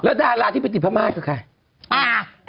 แล้วราวที่ไปติดพระมาชก็ใคร